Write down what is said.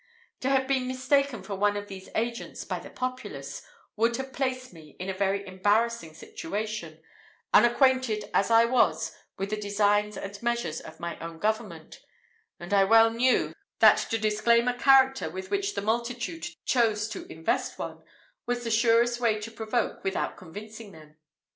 To have been mistaken for one of these agents by the populace, would have placed me in a very embarrassing situation, unacquainted, as I was with the designs and measures of my own government; and I well knew, that to disclaim a character with which the multitude chose to invest one, was the surest way to provoke, without convincing them.